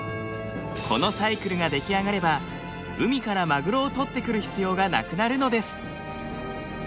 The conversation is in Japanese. このサイクルが出来上がれば海からマグロを取ってくる必要がなくなるのです。